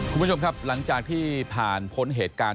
คุณผู้ชมครับหลังจากที่ผ่านพ้นเหตุการณ์